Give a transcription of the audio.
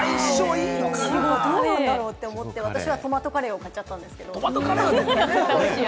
どうなんだろう？って思って私はトマトカレーを買っちゃったんですけれども。